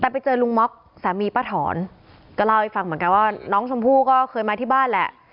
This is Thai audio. แต่ไปเจอลุงม็อกสามีป้าถอนก็เล่าให้ฟังเหมือนกันว่าน้องชมพู่ก็เคยมาที่บ้านแหละ